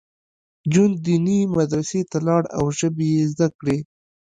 جون دیني مدرسې ته لاړ او ژبې یې زده کړې